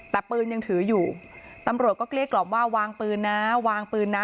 แต่ปืนยังถืออยู่ตำรวจก็เกลี้ยกล่อมว่าวางปืนนะวางปืนนะ